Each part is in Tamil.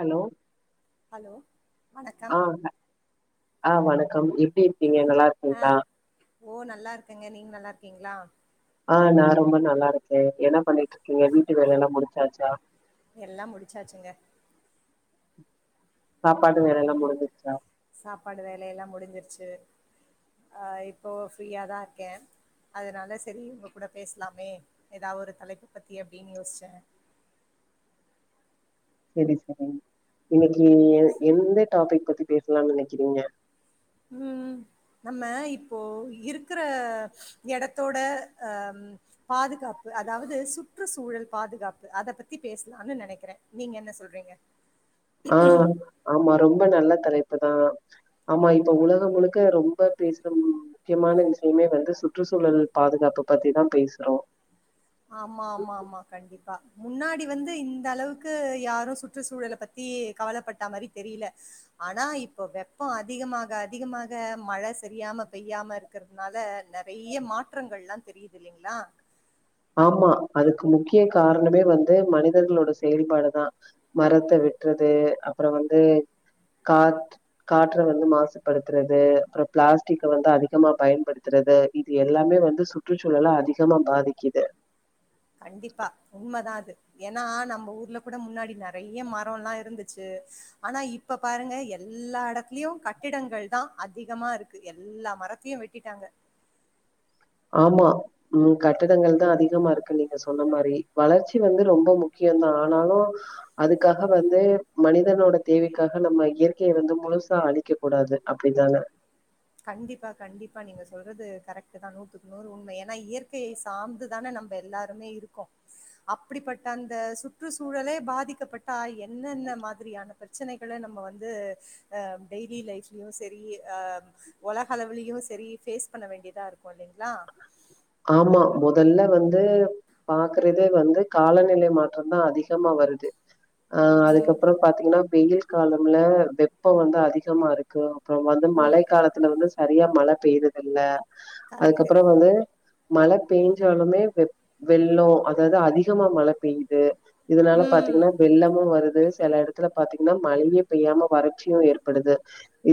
ஹலோ ஹலோ வணக்கம் ஆஆ வணக்கம் எப்டி இருக்கீங்க ஆ நல்லாருக்கீங்ளா ஓ நல்லாருக்கேங்க நீங்க நல்லாருக்கீங்ளா ஆ நா ரொம்ப நல்லாருக்கே என்ன பண்ணிட்டு இருக்கீங்க வீட்டு வேலயெல்லா முடிச்சாச்சா எல்லா முடிச்சாச்சுங்க சாப்பாடு வேலல்லா முடிஞ்சுருச்சா சாப்பாடு வேல எல்லா முடிஞ்சிருச்சு ஆ இப்போ ஃப்ரீயாதாருக்கே அதனால செரி ஒங்க கூட பேசலாமே எதா ஒரு தலைப்ப பத்தி அப்டின் யோசிச்சே சேரி சேரி இன்னக்கி எந்த டாபிக் பத்தி பேசலான் நெனைக்கிறீங்க ம் நம்ம இப்போ இருக்ற எடத்தோட ஆ பாதுகாப்பு அதாவது சுற்று சூழல் பாதுகாப்பு அத பத்தி பேசலான் நெனைக்கிறே நீங்க என்ன சொல்றீங்க ஆ ஆமா ரொம்ப நல்ல தலைப்பு தா ஆமா இப்ப உலகம் முழுக்க ரொம்ப பேசுற முக்கியமான விஷயமே வந்து சுற்றுச்சூழல் பாதுகாப்பு பத்தி தா பேசுறோ ஆமாமாமா கண்டிப்பா முன்னாடி வந்து இந்தளவுக்கு யாரு சுற்றுச்சூழல ப த்தி கவலப்பட்டா மாரி தெரில்ல ஆனா இப்ப வெப்போ அதிகமாக அதிகமாக மழ சரியாம பெய்யாமரு க்றதுனால நறைய மாற்றங்கள்ல்லா தெரிது இல்லைங்ளா ஆமா அதுக்கு முக்கிய காரணமே வந்து மனிதர்களோட செயல்பாடுதா மரத்த வெட்றது அப்பறோ வந்து கா காற்ற வந்து மாசுபடுத்துறது அப்பறோ பிளாஸ்டிக்க வந்து அதிகமா பயன்படுத்துறது இது எல்லாமே வந்து சுற்றுச்சூழல அதிகமா பாதிக்கி கண்டிப்பா உண்மதா அது ஏனா நம்ப ஊர்ல கூட முன்னாடி நறைய மரோல்லா இருந்துச்சு ஆனா இ இப்ப பாருங்க எல்லா எடத்துலயு கட்டிடங்கள் தா அதிகமா இருக்கு எல்லா மரத்தையு வெட்டிட்டாங்க ஆமா ம் கட்டிடங்கள் தா அதிகமா இருக்கு நீங்க சொன்ன மாரி வளர்ச்சி வந்து ரொம்ப முக்கியோந்தா ஆனாலு அதுக்காக வந்து மனிதனோட தேவைக்காக நம்ம இயற்கைய வந்து முழுசா அழிக்க கூடாது அப்டித்தான கண்டிப்பா கண்டிப்பா நீங்க சொல்றது கரெக்ட்டு தா நூத்துக்கு நூறு உண்ம ஏனா இயற்கை சார்ந்துதான நம்ப எல்லாருமே இருக்கோ அப்டிப்பட்ட அந்த சுற்றுச்சூழலே பாதிக்கப்பட்டா என்னென்ன மாத்ரியான பிரச்சனைகளை நம்ம வந்து ஆஹ் டெய்லி லைஃப்லயும் செரிஹ உலக அளவுலயு செரி பேஸ் பண்ண வேண்டியதா இருக்கு இல்லிங்ளா ஆமா மொதல்ல வந்து பாக்குறதே வந்து காலநிலை மாற்றம்தா அதிகமா வருது அஹ் ம், அதுக்கப்புறம் பாத்தீங்னா வெயில் காலம்ல வெப்பம் வந்து அதிகமா இருக் கு அப்பறம் வந்து ம். மழை காலத்துல வந்து சரியா மழை பெயுறத இல்ல கரெக்ட்டு. அதுக்கப்புறம் வந்து மழ பெய்ஞ்சாலுமே வெ வெள்ளோ அதாவது அதிகமா மழை பெய்யிது இதனால பாத்தீங்னா ம், வெள்ளமு வருது சில எடத் த்துல பாத்தீங்னா மழையே பெய்யாம வறட்சியு ஏற்படுது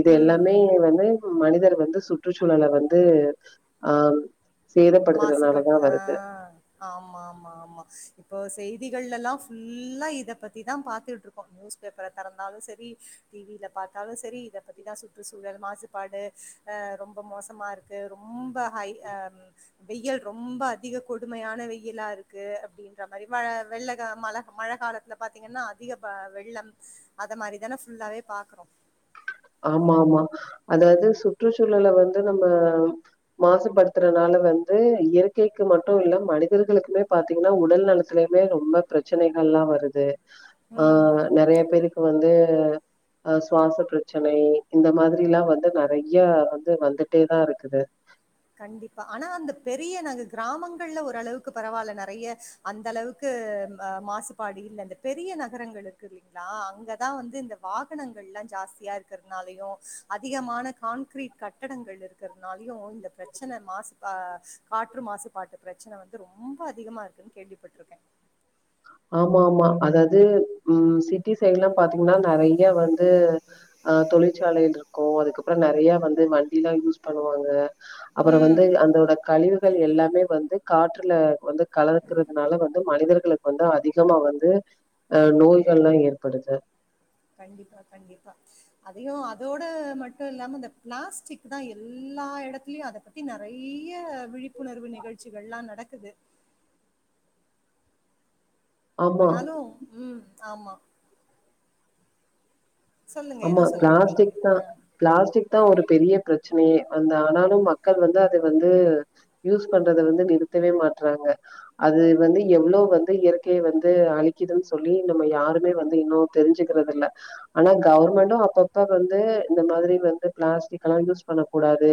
இது ம். எல்லாமே வந்து மனிதர் வந்து சுற்றுச்சூழல வந்து ஆஹ் மாசுபடுத்து ஆஹ் ஆமா ஆமா ஆமா இப்போ செய்திகள்ல எல்லாஃபுல்லா இதை பத்திதா பாத்துட்டுருக் ப்ப நியூஸ் பேப்பர தெறந்தாலு சரி டிவியில பாத்தாலு சரி இதை பத்திதா சுற்றுச்சூழல் மாசுபாடு ஆ ரொம்ப மோசமா இருக்கு ரொம்ப ஹை அஹ் வெய்யல் ரொம்ப அதிக கொடுமையான வெயிலா இருக்கு அப்டின்ற மாதிரி மழ வெள்ள மழ மழை காலத்துல பாத்தீங்கன்னா அதிக பா வெள்ளம் அத மாரிதானே ஃபுல்லாவே பாக்கறோம் ஆமா ஆமா அதாவது சுற்றுச்சூழல வந்து நம்ம மாசுபடுத்துறனால வந்து இயற்கைக்கு மட்டு இல்ல மனிதர்களுக்குமே பாத்தீங்கனா உடல் நல சிலயுமே ரொம்ப பிரச்சனைகள்லா வருது ம் ஆஹ் நெறைய பேருக்கு வந்து அஹ் சுவாச பிரச் ச்சனை இந்த மாதிரிலா வந்து நெறைய வந்து வந்துட்டே தா இருக்குது கண்டிப்பா ஆனா அந்த பெரிய நாங்க கிராமங்கள்ல ஒருரளவுக்கு பரவால்ல நெறைய அந்த அளவுக்கு மாசுபாடு இல்ல அந்த பெரிய நகரங்கள் இருக்கு இல்லிங்களா அங்கதா வந்து இந்த வாகனங்கள்லா ஜாஸ்தியா இருக்கிறதுனாலயு அதிகமான கான்கிரீட் கட்டடங்கள் இருக் கற்னாலயு இந்த ப்ரச்சன மாசுப காற்று மாசுபாட்டு பிரச்சன வந்து ரொம்போ அதிகமாக இருக்குன்னு கேள்விப்பட்டிருக்கே ஆமா ஆமா அதாவது ம் சிட்டி சைடொல்லா பாத்தீங்னா நெறைய வந்து அஹ் தொழிற்சாலைல்ருக்கு அதுக்கப்புறம் நெறைய வந்து வண்டில்லா யூஸ் பண்ணுவாங்க அப்புறம் ம். வந்து அந்தோட கழிவுகள் எல்லாமே வந்து காற்றுல வந்து கலக்குறதுனால வ ந்து மனிதர்களுக்கு வந்து அதிகமா வந்து அஹ் நோய்கள்லா ஏற்படுது கண்டிப்பா கண்டிப்பா அதையு அதோட மட்டும் இல்லாம அந்த பிளாஸ்டிக் தா எல்லா இடத்துலயும் அதபத் தி நெறைய விழிப்புணர்வு நிகழ்ச்சிகள்லா நடக்குது ஆமா ஆனாலு ம் ஆமா சொல்லுங்க ஆமா ஏதோ சொல்ல வந்தீங்களே பிளாஸ்டிக் தா ஆ பிளாஸ்டிக் தா ஒரு பெரிய பிரச்சனையே அந்த ஆனாலு மக்கள் வந்து அது வந்து யூஸ் பண்றத வந்து நிறுத்தவே மாற்றாங்க அது வந்து எவ்ளோ வந்து இயற்கையை வந்து அழிக்குதுன்னு சொல்லி நம்ம யாருமே வந்து இன்னும் தெரிஞ்சுக்றது இல்ல ஆனாக் கவுர்மெண்ட்டும் அப்பப்ப வந்து இந்த மாதிரி வந்து பிளாஸ்டிக் கல்லா யூஸ் பண்ணக் கூடாது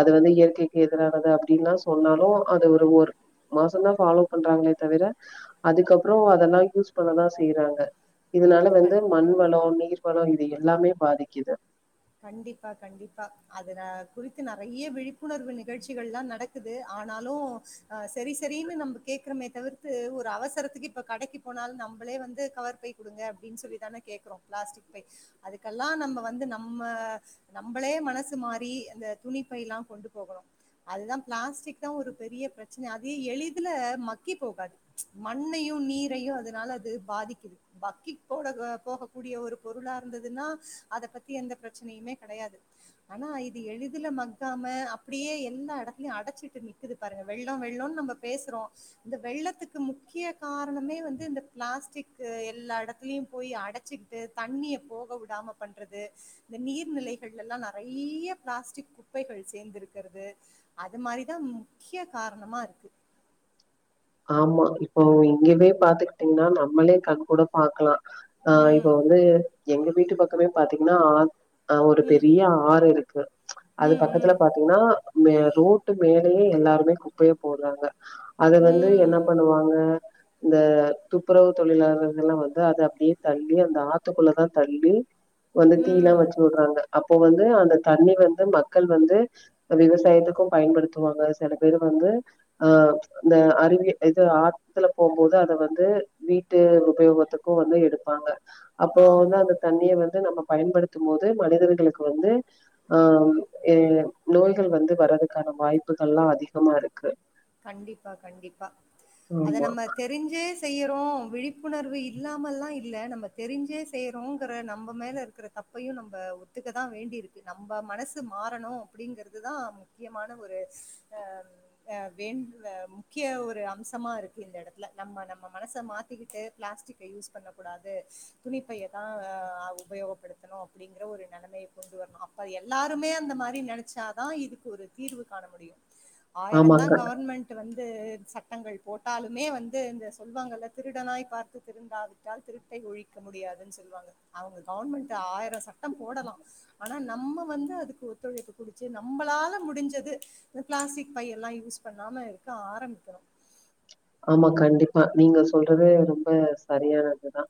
அது வந்து இயற்கைக்கு எதிரானது அப்படின்ல்லா சொன்னாலு அது ஒரு ஒர் மாசோந்தா ஃபாலோ பண்றாங்களே தவிர அதுக்கப்புறம் அதல்லா யூஸ் பண்ணதா செய்யிறாங்க இதனால வந்து கண் மண் வளோ நீர் வளோ இது எல்லாமே பாதிக்குது கண்டிப்பா கண்டிப்பா அதுன குறித்து நெறைய விழிப்புணர்வு நிகழ்ச்சிகள்லா நடக்குது ஆனாலு சேரி சேரினு நம்ம கேக்குறோமே தவிர்த்து ஒரு அவசரத்துக்கு இப்ப கடைக்கு போனாலு நம்பளே வந்து கவர் பை குடுங்க அப்டின் சொல்லிதான கேக்குறோ பிளாஸ்டிக் பை அதுக்கல்லா நம்ம வந்து நம் நம்ம நம்பளே மனசுமாரி அந்த துணிப்பைலா கொண்டு போகணு அதுதா பிளாஸ்டிக்தா ஒரு பெரிய பிரச்சன அது எளிதுல மக்கி போகாது மண்ணையு நீரையு அதனால அது பாதிக்குது மக்கி போக போகக்கூடிய ஒரு பொருளா இருந்ததுன்னா அத பத் எந்த பிரச்சனையுமே கடையாது ஆனா இது எளிதுல மக்காம அப்டியே எல்லா இடத்துலயு அடைச்சிட்டு நிக்குது பாருங்க வெள்ளோ வெள்ளோனு நம்ம பேசுறோ இந்த வெள்ளத்துக்கு முக்கிய காரணமே வந்து இந்த பிளாஸ்டிக்கு எல்லா இடத்துலியு போய் அடச்சுகுட் டு தண்ணிய போக விடாம பண்றது இந்த நீர்நிலைகள்லலா நறைய பிளாஸ்டிக் குப்பைகள் சேந்திருக்கறது அது மாதிரிதா முக்கிய காரணமா இருக்கு ஆமா இப்போ இங்கவே பாத்துக்கிட்டீங்கனா நம்மளே கண் கூட பாக்கலா ஆ ம் இப்போ வந்து எங்க வீட்டு பக்கமே பாத்தீங்கனா ஆ ஆ ஒரு ம் பெரிய ஆறு இருக்கு அது ம் பக்கத்துல ம் பாத்தீங்கனா ஆ ரோட்டு மேலயே எல்லாருமே குப்பைய போட்றாங்க அது வந்து என்ன ம் பண் சொல்லுவாங்க இந்த துப்புரவு தொழிலாளர்கள்லா வந்து அத அப்டியே தள்ளி அந்த ஆத்துக்குள்ளதா தள்ளி வந்து தீலா ம் வெச்சுவுட்றாங்க அப்போ வந்து அந்த தண்ணி வந்து மக்கள் வந்து விவசாயத்துக்கு பயன்படுத்துவாங்க சில பேரு வந்து அ இந்த அறி இது ஆத்துல போகும்போது அத வந்து வீட்டு உபயோகத்துக்கு வந்து எடுப்பாங்க அப்போ வந்து ஆமா அந்த தண்ணிய வந்து நம்ம பயன்படுத்தும்போது மனிதர்களுக்கு வந்து ஆ ஏ நோய்கள் வந்து வரதுக்கான வாய்ப்புகள்லா அதிகமா இருக்கு கண்டிப்பா கண்டிப்பா அத ஆமா நம்ம தெ ரிஞ்சே செய்யறோ விழிப்புணர்வு இல்லாமல்லா இல்ல நம்ம தெரிஞ்சே செய்யறோங்கற நம்ம மேல இருக்கற தப்பையு நம்ம ஒத்துக்கதா வேண்டி இருக்கு நம்ப மனசு மாறணு அப்டிங்கறதுதா முக்கியமான ஒரு அ அ வேண்ட முக்கிய ஒரு அம்சமா இருக்கு இந்த இடத்துல நம்ம நம்ம மனச மாத்திக்குட்டு ப்ளாஸ்டிக் யூஸ் பண்ணக்கூடாது துணிப்பையதா உபயோகப்படுத்தணு அப்டிங்கற ஒரு நலமைய கொண்டு வர்ணு அப்ப எல்லாருமே அந்த மாரி நெனைச்சாதா இதுக்கு ஒரு தீர்வு காண முடியு பிளாக் ஆயிரதா கவுர்மெண்டு வந்து சட்டங்கள் போட்டாலுமே வந்து இந்த சொல்வாங்கள்ல திருடனாய் பார்த்து திருந்தாது தால் திருட்டை ஒழிக்க முடியாதுன் சொல்லுவாங்க அவங்க கவுர்மெண்ட ஆயிரோ சட்டோ போடலா ஆனா நம்ம வந்து அதுக்கு ஒத்துழைப்பு குடிச்சு நம்மளால முடிஞ்சது இந்த பிளாஸ்டிக் பையலா யூஸ் பண்ணாம இருக்க ஆரம்பிக்கணு ஆமா கண்டிப்பா நீங்க சொல்றது ரொம்ப சரியானதுதா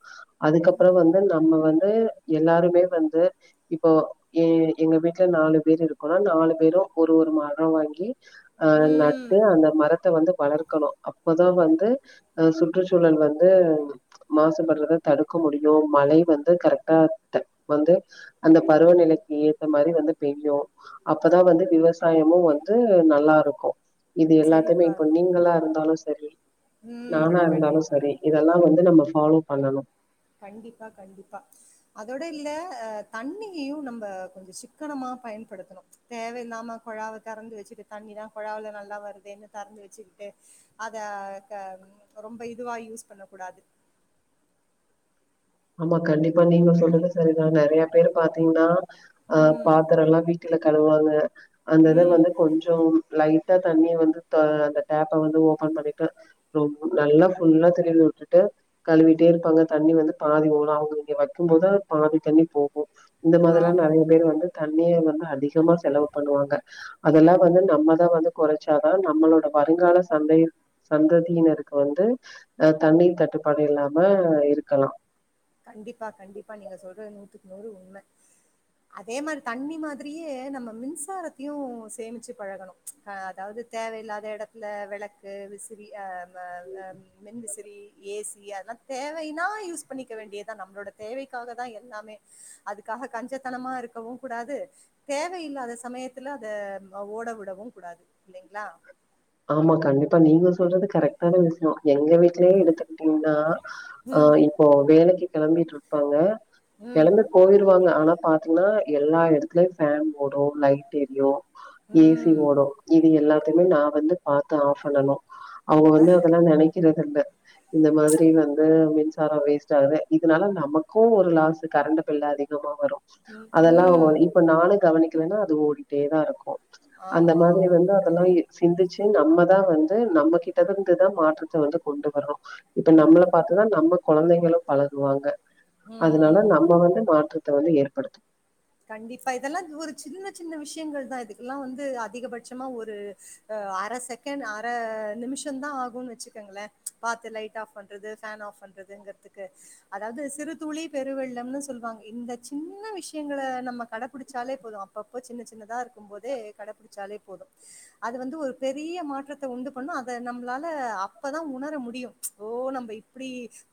அதுக்கப்புறோ வந்து நம்ம வந்து எல்லாருமே வந்து இப்போ எ எங்க வீட்ல நாலு பேர் இருக்கோனா நாலு பேரு ஒரு ஒரு மரோ வாங்கி அ ம் நட்டு அந்த மரத்த வந்து வளர்க்கணு அப்பதா வந்து அ சுற்றுச்சூழல் வந்து மாசுபட்றத தடுக்க முடியு மழை வந்து கரெக்டா வந்து அந்த பருவநிலைக்கு ஏத்தமாரி வந்து பெய்யு அப்பதா வந்து விவசாயமு வந்து நல்லாருக்கு இது எல்லாத்துமே செழிப்பா இப்ப இருக்கு நீங்களா இருந்தாலு ச ம் நானா இருந்தாலு கண்டிப்பா சரி இதெல்லா வந்து நம்ம ஃபாலோ பண்ணணு கண்டிப்பா கண்டிப்பா அதோட இல்ல தண்ணியையு நம்ம கொஞ்சோ சிக்கனமா பயன்படுத்தணு தேவைையில்லாம குழாவ திறந்து வச்சுட்டு தண்ணி தான் குழாவுல நல்லா வருதுன்னு திறந்து வச்சுக்கிட்டு அத ரொம்ப இதுவா யூஸ் பண்ண கூடாது ஆமா கண்டிப்பா நீங்க சொல்றது சரிதா நெறய பேர் பாத்தீங்கன்னா அ ம் பாத்திரல்லா வி வீட்ல கழுவாங்க அந்தத ம் வந்து கொஞ்சோ லைட்டா தண்ணிய வந்து அந்த டேப்ப வந்து ஓப்பன் பண்ணிட்டு ரொம்ப நல்லா ஃபுல்லா திருவி விட்டுட்டு கழுவிட்டே இருப்பாங்க தண்ணி வந்து பாதி ஒன அவங்க இங்க வைக்கு போது பாதி தண்ணி போகு இந்த மாரில்லா ஆமா நெறய பேர் வந்து தண்ணிய வந்து அதிகமா செலவு பண்ணுவாங்க அதெல்லா வந்து நம்ம நம்ம வந்து கொறைச்சாதா நம்மளோட வருங்கால சந்தை சந்ததியினருக்கு வந்து அ தண்ணி தட்டுப்பாடு இல்லாம இருக்கலா கண்டிப்பா கண்டிப்பா நீங்க சொல்றது நூத்துக்கு நூறு உண்ம அதே மாரி தண்ணி மாதிரியே நம்ம மின்சாரத்தையு சேமிச்சு பழகணு ஆ அதாவது தேவையில்லாத எடத்துல வெளக்கு விசிறி அ அ அ மின்மிசிறி ஏ சி அதல்லா தேவைன்னா யூஸ் பண்ணிக் இருக்க வேண்டியதா நம்மளோட தேவைக்காக தா எல்லாமே அதுக்காக கஞ்சத்தனமா இருக்கவு குடாது தேவையில்லாத சமயத்துல அத ஓட விடவு கூடாது இல்லைங்ளா ஆமா கண்டிப்பா நீங்க சொல்றது கரெக்ட்டான விசய எங்க வீட்லயே எடுத்துகிட்டீங்னா அ ம். இப்போ வேலைக்கு கெளம்பிட் இருப்பாங்க ம். கெளம்பி போயிருவாங்க ஆனா பாத்தீங்னா எல்லா எடத்துலயு ஃபேன் ஓடு லைட் எரியு ஏ சி ம். ஓடு இது எல்லாத்தையுமே நா வந்து பாத்து ஆஃப் பண்ணனு அவங்க வந்து அதெல்லா நெனைக்கிறதுல்ல இந்த மாதிரி வந்து மின்சார வேஸ்ட் ஆகுது இதனால நமக்கு ஒரு லாஸ்சு கரண்ட் பில் அதி கமா வரு ம். அதெல்லா ம். இப்ப நானு கவனிக்கலனா அது ஓடிட்டேதா இருக்கு அந்த ஆமா, மாதிரி ஆமா. வந்து அதெல்லா சிந்திச்சு நம்மதா வந்து நம்ம கிட்ட இருந்துதா மாற்றத்த வந்து கொண்டு வர்றோ இப்ப ம். நம்மள பாத்துதா நம்ம கொழந்தைகளு பழகுவாங்க ம். அதனால ம். நம்ம ம் வந்து மாற்ற த்த வந்து ஏற்படுத்து கண்டிப்பா இதெல்லா ஒரு சின்ன சின்ன விஷயங்கள் தா இதுக்கெல்லா வந்து அதிகபட்சமா ஒரு அர செகண்ட் அர நிமிஷதா ஆகுன் வச்சுக்கங்களே பாத்து லைட் ஆஃப் பண்ண றது ஃபேன் ஆஃப் பண்றதுங்கிறதுக்கு அதாவது சிறுதுளி பெருவெள்ளம்ன்னு சொல்வாங்க இந்த சின்ன விஷ் எங்கள நம்ம கடபிடிச்சாலே போது அப்பப்போ சின்ன சின்னதா இருக்கு போதே கடபிடிச்சாலே போது அது வந்து ஒரு பெரிய மாற்றத்த உண்டு பண்ணு அத நம்மளால அப்பதா உணர முடியு ஓ நம்ம இப் ப்படி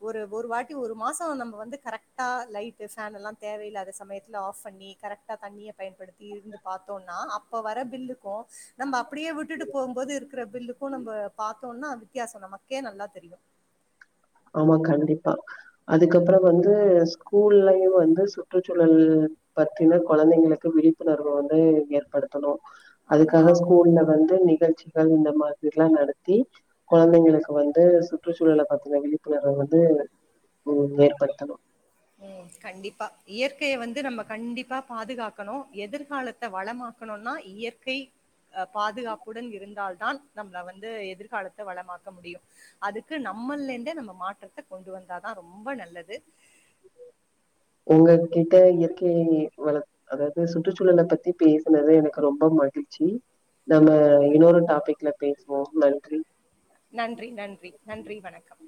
ஒரு ஒரு வாட்டி ஒரு மாசம் நம்ம வந்து கரெக்ட்டா லைட் ஃபேன்ல்லா தேவையில்லாத சமயத் தில ஆஃப் பண்ணி கரெக்ட்டா தண்ணிய பயன்படுத்தி இருந்து பாத்தோனா அப்போ வர பில்லுக்கு நம்ம அப்டியே விட்டுட்டு போம்போது இருக்கிற பில்லுக்கு நம்ம பாத்தோனா வித்தியாச நமக்கே நல்லா தெரியு ஆமா கண்டிப்பா அதுக்கப்பற வந்து ஸ்கூல்லயு வந்து சுற்றுச்சூழல் பத்தின கொழந்தைங்களுக்கு விழிப்புணர்வு வந்து ஏற்படுத்தணு ஆமா அதுக்காக ஆமா ஸ்கூல்ல வந்து நிகழ்ச்சிகள் இந்த மாதிரில்லா நடத்தி கொழந்தைங்களுக்கு வந்து சுற்றுச்சூழல பத்தின விழிப்புணர்வ வந்து ம் ஏற்படுத்தணு ம் கண்டிப்பா இயற்கைய வந்து நம்ம கண்டிப்பா பாதுகாக்கணு எதிர்காலத் த்த வளமாக்கணுன்னா இயற்கை அ பாதுகாப்புடன் இருந்தால்தான் நம்மள வந்து எதிர்காலத்த வளமாக்க முடியும் அதுக்கு நம்மல்லந்தே நம்ம மாற்றத்த கொண்டு வந்தாதா ரொம்ப நல்லது உங்க கிட்ட இயற்கை வள அதாவது சுற்றுச்சூழல பத்தி பேசுனது எனக்கு ரொம்ப மகிழ்ச்சி நம்ம இன்னொரு டாபிக்ல பேசுவோ நன்றி நன்றி நன்றி நன்றி வணக்கம்